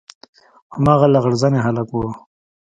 هماغه لغړ زنى هلک و.